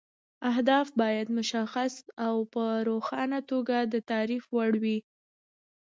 اهداف باید مشخص او په روښانه توګه د تعریف وړ وي.